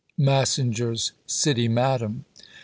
MASSINGER'S City Madam.